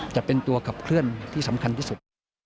จะเป็นตัวขับเคลื่อนที่สำคัญที่สุด